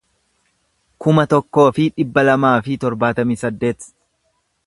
kuma tokkoo fi dhibba lamaa fi torbaatamii saddeet